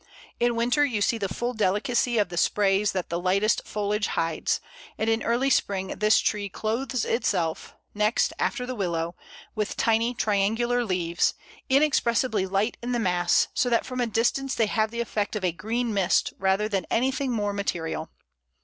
In winter you see the full delicacy of the sprays that the lightest foliage hides, and in early spring this tree clothes itself, next after the willow, with tiny triangular leaves, inexpressibly light in the mass, so that from a distance they have the effect of a green mist rather than anything more material.